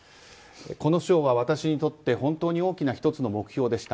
この賞は私にとって本当に大きな１つの目標でした。